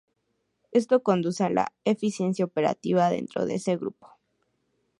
Esto conduce a la eficiencia operativa dentro de ese grupo.